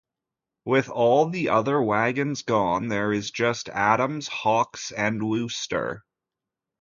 With all the other wagons gone, there is just Adams, Hawks and Wooster.